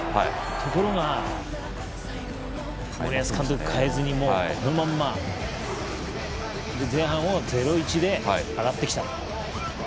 ところが、森保監督は変えずにこのまま。前半を０−１で上がってきた。